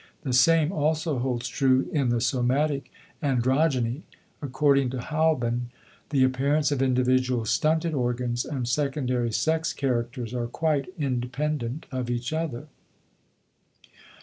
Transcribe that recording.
The same also holds true in the somatic androgyny. According to Halban, the appearance of individual stunted organs and secondary sex characters are quite independent of each other.